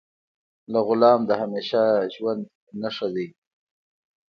له غلام د همیشه ژوند نه ښه دی.